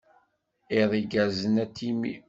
Iḍ igerrzen a Timmy.